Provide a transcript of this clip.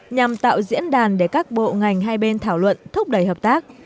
nhằm tạo diễn đàn để các bộ ngành hai bên thảo luận thúc đẩy hợp tác